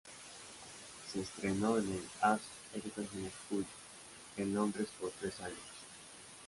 Se entrenó en el "Arts Educational Schools" en Londres por tres años.